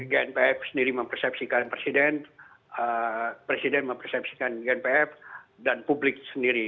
gnpf sendiri mempersepsikan presiden presiden mempersepsikan gnpf dan publik sendiri